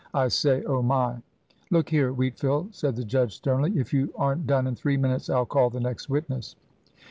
I say! oh my " "Look here, Wheatfield," said the judge, sternly, "if you aren't done in three minutes, I'll call the next witness."